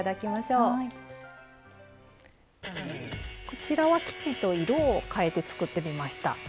こちらは生地と色を変えて作ってみました。